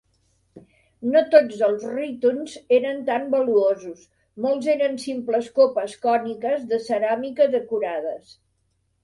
No tots els rítons eren tan valuosos; molts eren simples copes còniques de ceràmica decorades.